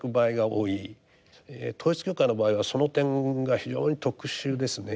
統一教会の場合はその点が非常に特殊ですね。